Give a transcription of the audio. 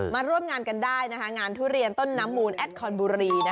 มาร่วมงานกันได้งานทุเรียนต้นน้ำมูลแอดคอนบุรี